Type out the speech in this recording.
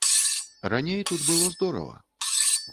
Раней тут было здорава.